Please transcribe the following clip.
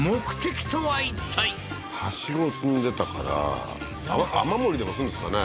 ハシゴ積んでたから雨漏りでもするんですかね？